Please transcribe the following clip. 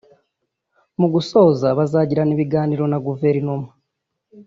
Mu gusoza bazagirana ibiganiro na Guverinoma